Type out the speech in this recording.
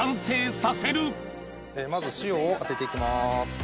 まず塩を当てていきます。